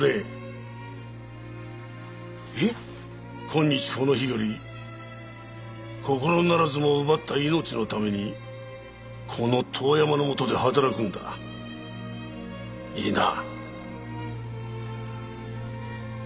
今日この日より心ならずも奪った命のためにこの遠山の下で働くんだいいな。